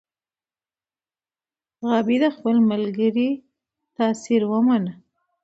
غابي د خپل ملګري تاثیر ومنه.